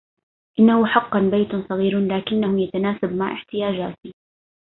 إنه حقاً بيتٌ صغير لكنه يتناسب مع احتياجاتي